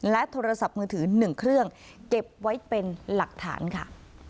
โทรศัพท์มือถือ๑เครื่องเก็บไว้เป็นหลักฐานค่ะ